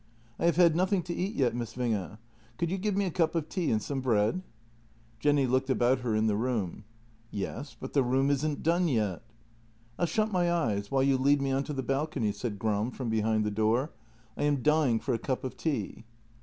" I have had nothing to eat yet, Miss Winge. Could you give me a cup of tea and some bread? " Jenny looked about her in the room. " Yes, but the room isn't done yet." " I'll shut my eyes while you lead me on to the balcony," said Gram from behind the door. " I am dying for a cup of tea."